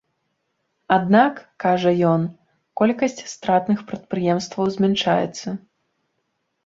Аднак, кажа ён, колькасць стратных прадпрыемстваў змяншаецца.